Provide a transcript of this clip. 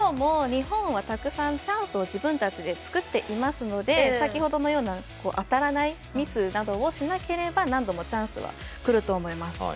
ただ、きょうも日本はたくさんチャンスを自分たちでつくっていますので先ほどのような当たらないミスなどをしなければ何度もチャンスはくると思います。